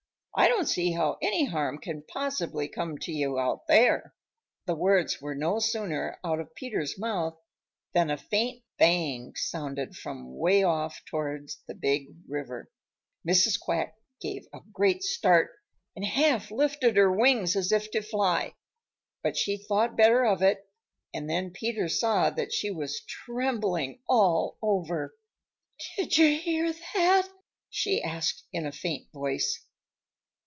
I don't see how any harm can possibly come to you out there." The words were no sooner out of Peter's mouth than a faint bang sounded from way off towards the Big River. Mrs. Quack gave a great start and half lifted her wings as if to fly. But she thought better of it, and then Peter saw that she was trembling all over. "Did you hear that?" she asked in a faint voice.